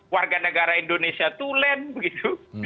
warga negara indonesia tulen begitu